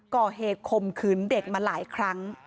คมขืนเด็กมาหลายครั้ง